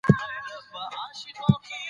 هر څوک قاضي دی، خو د خپلو نه، د نورو د خطاوو.